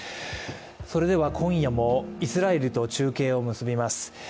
それでは今夜もイスラエルと中継を結びます。